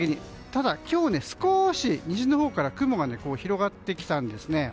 ただ今日は少し、西のほうから雲が広がってきたんですね。